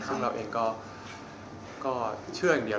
ซึ่งเราเองก็เชื่ออย่างเดียว